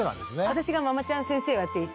私が「ママちゃん先生」をやっていて。